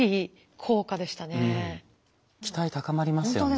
期待高まりますよね。